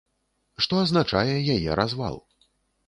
Што азначае яе развал.